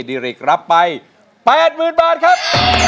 ดีริกรับไป๘หมื่นบาทครับ